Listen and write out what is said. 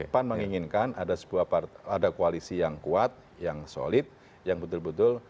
pan menginginkan ada koalisi yang kuat yang solid yang betul betul